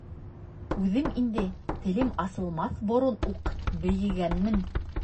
Үҙем инде телем асылмаҫ борон уҡ бейегәнмен.